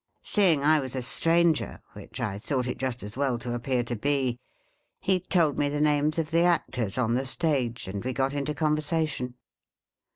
Seeing I was a strange r (which I thought it just as well to appear to be) he told me the names of the actors on the stage, and we got into conversation.